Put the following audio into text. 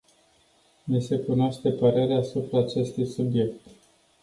Mi se cunoaște părerea asupra acestui subiect.